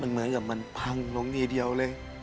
เหมือนกับมันพังลงทีเดียวเลย